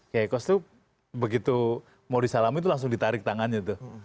kiai khos tuh begitu mau disalamin tuh langsung ditarik tangannya tuh